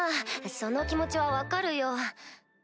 その気持ちは分かるよ。